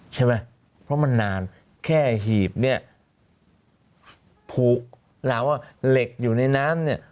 ใช่ไหมเพราะมันนานแค่หีบเนี่ยผูกเราว่าเหล็กอยู่ในน้ำเนี่ย